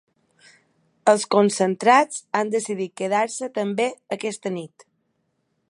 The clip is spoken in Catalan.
Els concentrats han decidit quedar-se també aquesta nit.